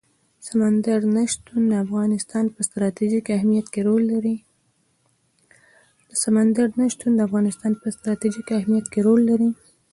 سمندر نه شتون د افغانستان په ستراتیژیک اهمیت کې رول لري.